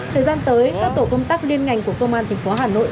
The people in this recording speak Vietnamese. thời gian tới các tổ công tác liên ngành của công an tp hà nội